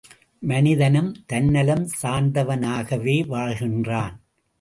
மனிதனும் தன்னலம் சார்ந்தவனாகவே வாழ்கின்றான்.